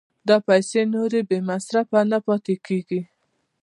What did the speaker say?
دا پیسې نورې بې مصرفه نه پاتې کېږي